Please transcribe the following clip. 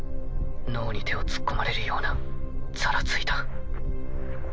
脳に手を突っ込まれるようなざらついた。